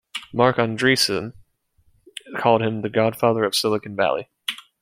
Marc Andreessen called him the godfather of Silicon Valley.